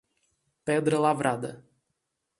Pedra Lavrada